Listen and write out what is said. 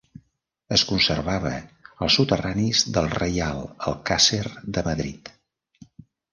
Es conservava als soterranis del Reial Alcàsser de Madrid.